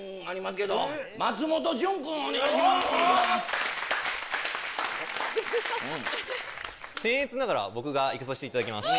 せん越ながら僕が行かさせていただきます。